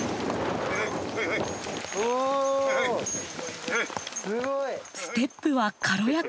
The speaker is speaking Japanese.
おすごい！ステップは軽やか。